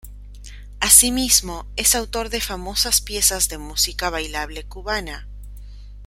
Así mismo es autor de famosas piezas de música bailable cubana.